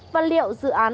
và liệu dự án